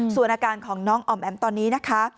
ส่วนอาการของน้องอ๋อมแอ๋มตอนนี้นะคะ